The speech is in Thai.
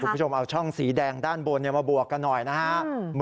คุณผู้ชมเอาช่องสีแดงด้านบนมาบวกกันหน่อยนะครับ